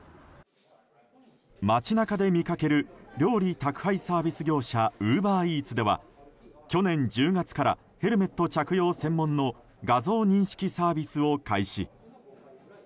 街中で見かける料理宅配サービス業者ウーバーイーツでは去年１０月からヘルメット着用専門の画像認識サービスを開始。